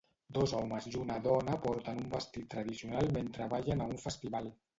Dos homes i una dona porten un vestit tradicional mentre ballen a un festival